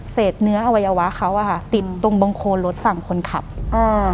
เนื้ออวัยวะเขาอ่ะค่ะติดตรงบังโคนรถฝั่งคนขับอ่า